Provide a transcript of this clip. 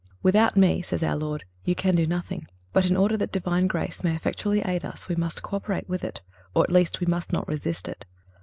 "Without Me," says our Lord, "you can do nothing."(327) But in order that Divine grace may effectually aid us we must co operate with it, or at least we must not resist it.